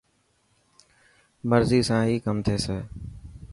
مرضي سان هي ڪم ٿيسي.